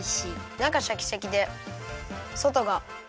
なかシャキシャキでそとがふわふわ。